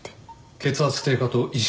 血圧低下と意識